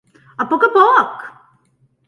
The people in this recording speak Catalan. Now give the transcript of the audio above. A poc a poc!